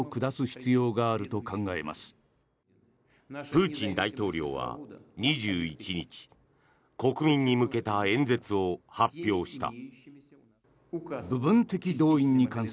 プーチン大統領は２１日国民に向けた演説を発表した。